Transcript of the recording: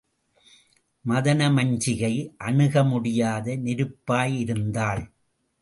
மதனமஞ்சிகை அணுக முடியாத நெருப்பாயிருந்தாள்.